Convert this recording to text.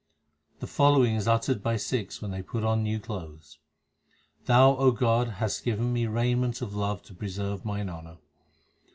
The following is uttered by Sikhs when they put on new clothes : Thou, O God, hast given me the raiment of love to pre serve mine honour.